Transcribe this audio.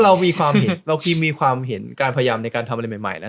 เพราะว่าเรามีความเห็นการพยายามในการทำอะไรใหม่นะ